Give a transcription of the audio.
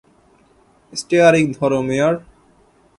Staring ধরো, মেয়ার!